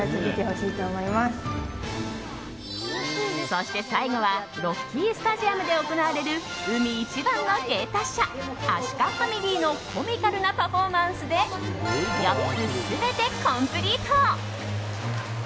そして、最後はロッキースタジアムで行われる海一番の芸達者アシカファミリーのコミカルなパフォーマンスで４つ全てコンプリート。